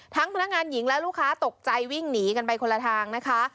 พนักงานหญิงและลูกค้าตกใจวิ่งหนีกันไปคนละทางนะคะ